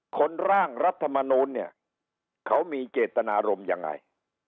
ร่างรัฐมนูลเนี่ยเขามีเจตนารมณ์ยังไง